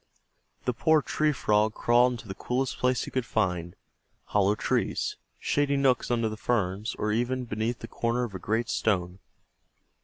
The poor Tree Frog crawled into the coolest place he could find hollow trees, shady nooks under the ferns, or even beneath the corner of a great stone.